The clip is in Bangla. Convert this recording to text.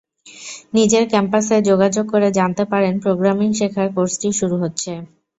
নিজের ক্যাম্পাসে যোগাযোগ করে জানতে পারেন, প্রোগ্রামিং শেখার কোর্সটি শুরু হচ্ছে।